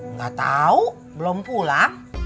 nggak tahu belum pulang